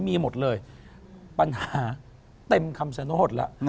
มีหมดเลยปัญหาเต็มคำสนอดละ